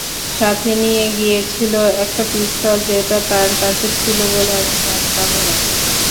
সাথে নিয়ে গিয়েছিল একটা পিস্তল, যেটা তার কাছে ছিল বলে আমি জানতামও না।